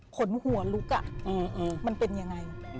ขนหัวลุกมันเป็นยังไง